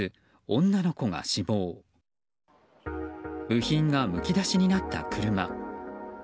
部品がむき出しになった車。